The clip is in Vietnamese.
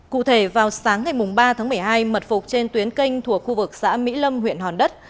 cụ thể vào sáng ngày ba tháng một mươi hai mật phục trên tuyến canh thuộc khu vực xã mỹ lâm huyện hòn đất